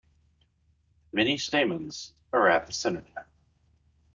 Many stamens are at the center.